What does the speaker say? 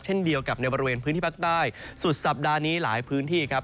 เช่นเดียวกับในบริเวณพื้นที่ภาคใต้สุดสัปดาห์นี้หลายพื้นที่ครับ